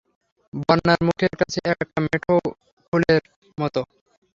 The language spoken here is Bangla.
বন্যার মুখের কাছে একটা মেঠো ফুলের মতো।